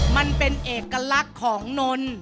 มันเป็นเอกลักษณ์ของนน